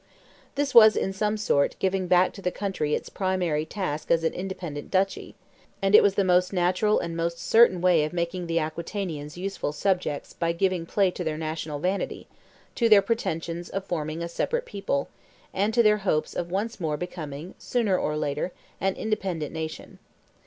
This was, in some sort, giving back to the country its primary task as an independent duchy; and it was the most natural and most certain way of making the Aquitanians useful subjects by giving play to their national vanity, to their pretensions of forming a separate people, and to their hopes of once more becoming, sooner or later, an independent nation.